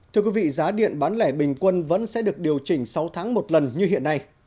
thưa quý vị giá điện bán lẻ bình quân vẫn sẽ được điều chỉnh sáu tháng một lần như hiện nay